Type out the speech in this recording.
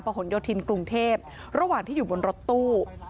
หนโยธินกรุงเทพระหว่างที่อยู่บนรถตู้